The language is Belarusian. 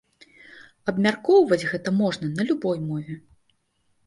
Абмяркоўваць гэта можна на любой мове.